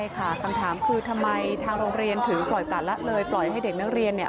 ใช่ค่ะคำถามคือทำไมทางโรงเรียนถึงปล่อยประละเลยปล่อยให้เด็กนักเรียนเนี่ย